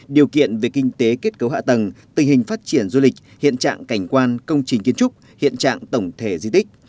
điều kiện về kinh tế kết cấu hạ tầng tình hình phát triển du lịch hiện trạng cảnh quan công trình kiến trúc hiện trạng tổng thể di tích